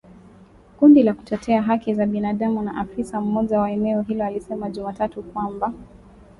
Kundi la kutetea haki za binadamu na afisa mmoja wa eneo hilo alisema Jumatatu kwamba